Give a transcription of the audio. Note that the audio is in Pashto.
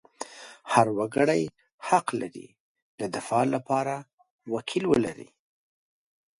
هر وګړی حق لري د دفاع لپاره وکیل ولري.